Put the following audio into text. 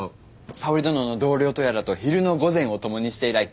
沙織殿の同僚とやらと昼の御膳を共にして以来病みつきでな。